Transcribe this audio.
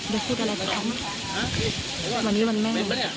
เดี๋ยวพูดอะไรกับเขาวันนี้วันแม่